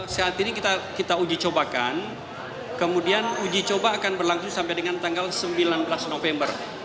saat ini kita uji cobakan kemudian uji coba akan berlangsung sampai dengan tanggal sembilan belas november